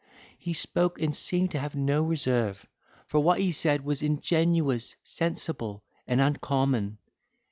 He spoke and seemed to have no reserve: for what he said was ingenuous, sensible, and uncommon.